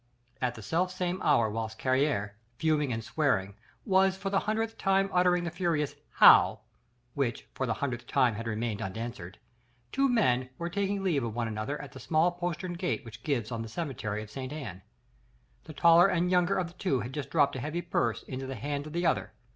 At the self same hour whilst Carrier fuming and swearing was for the hundredth time uttering that furious "How?" which for the hundredth time had remained unanswered, two men were taking leave of one another at the small postern gate which gives on the cemetery of St. Anne. The taller and younger one of the two had just dropped a heavy purse into the hand of the other.